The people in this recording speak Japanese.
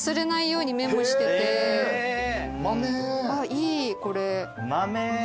いいこれ。